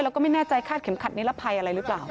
แล้วก็ไม่แน่ใจคาดเข็มขัดนิรภัยอะไรหรือเปล่า